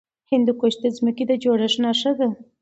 هندوکش د ځمکې د جوړښت نښه ده.